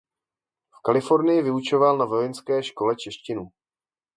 V Kalifornii vyučoval na vojenské škole češtinu.